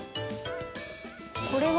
これは？